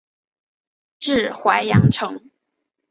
治淮阳城。